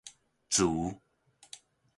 慈